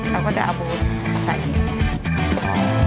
เราก็จะเอาบูนใส่อย่างนี้ค่ะ